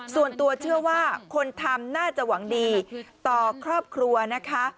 ส่วนตัวเชื่อว่าคนทำน่าจะหวังดีต่อครอบครัวนะคะ